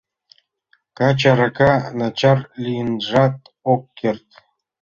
Каче арака начар лийынжат ок керт.